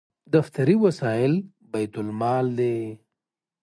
دفتري وسایل بیت المال دي